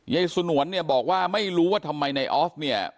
สนวนเนี่ยบอกว่าไม่รู้ว่าทำไมในออฟเนี่ย